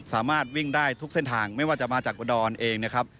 สามารถวิ่งได้ทุกเส้นทางไม่ว่าจะมาจากอุดรเองนะครับ